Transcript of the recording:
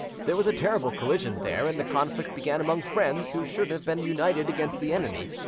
There was a terrible collision there, and the conflict began among friends who should have been united against the enemy.